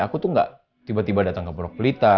aku tuh gak tiba tiba datang ke pulau pelita